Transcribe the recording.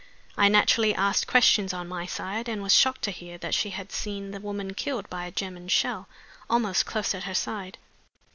I naturally asked questions on my side, and was shocked to hear that she had seen the woman killed by a German shell almost close at her side.